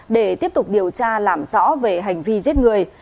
để tiếp tục điều tra làm rõ về hành vi giết người